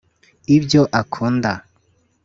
ibyo akunda